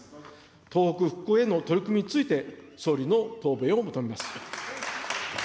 東北復興への取り組みについて、総理の答弁を求めます。